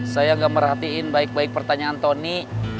saya gak merhatiin baik baik pertanyaan tony